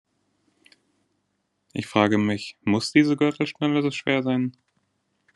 Ich frage mich: Muss diese Gürtelschnalle so schwer sein?